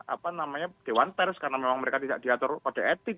apa namanya dewan pers karena memang mereka tidak diatur pada etik